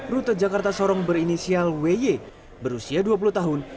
rute jakarta sorong berinisial wy berusia dua puluh tahun